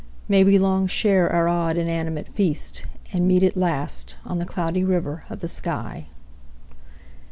May we long share our odd, inanimate feast, And meet at last on the Cloudy River of the sky.